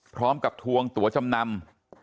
พร้อมกับทวงตัวจำนำ